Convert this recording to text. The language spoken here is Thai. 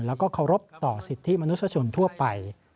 แล้วก็เคารพต่อสิทธิมนุษยชนทั่วไป